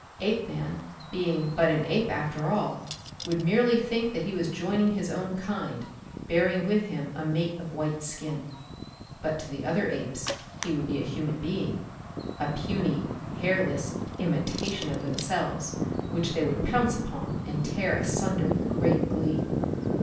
Apeman, being but an ape after all, would merely think that he was joining his own kind, bearing with him a mate with white skin. But to the other apes he would be a human being, a puny hairless imitation of themselves which they would pounce upon and tear asunder with great glee.